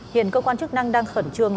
hiện cơ quan chức năng đang khẩn trương